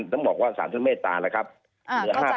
จะต้องบอกว่าสารช่วงเมตราแหละครับ